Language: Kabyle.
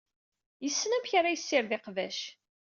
Yessen amek ara yessired iqbac.